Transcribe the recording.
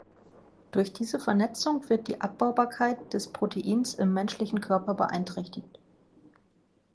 Durch diese Vernetzung wird die Abbaubarkeit des Proteins im menschlichen Körper beeinträchtigt.